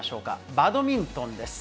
バドミントンです。